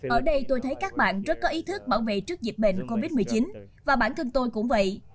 ở đây tôi thấy các bạn rất có ý thức bảo vệ trước dịch bệnh covid một mươi chín và bản thân tôi cũng vậy